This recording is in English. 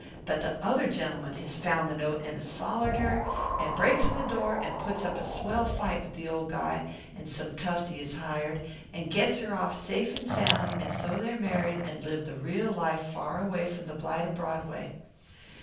But the other gentleman has found the note and has follered her, and breaks in the door and puts up a swell fight with the old guy and some toughs he has hired, and gets her off safe and sound, and so they're married and live the real life far away from the blight of Broadway.